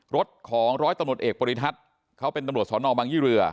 รถของร้อยตำรวจเอกปริทัศน์เขาเป็นตำรวจสอนอบังยี่เรือ